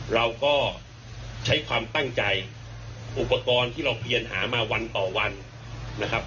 เราก็ใช้ความตั้งใจอุปกรณ์ที่เราเพียนหามาวันต่อวันนะครับ